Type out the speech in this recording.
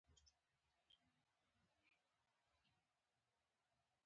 زما تلیفون چیرته دی؟